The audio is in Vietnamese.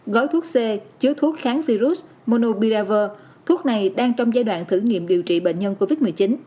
gói thuốc c chứa thuốc kháng virus monobiraver thuốc này đang trong giai đoạn thử nghiệm điều trị bệnh nhân covid một mươi chín